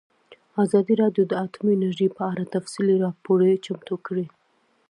ازادي راډیو د اټومي انرژي په اړه تفصیلي راپور چمتو کړی.